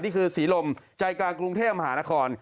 นี่คือศรีลมใจกลางกรุงเทพมหานคร